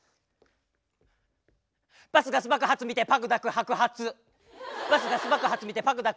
バスガス爆発見てパグ抱く白髪。